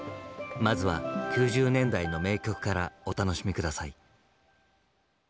まずは９０年代の名曲からお楽しみ下さい。